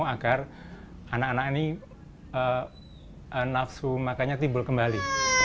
agar anak anak ini nafsu makanya timbul kembali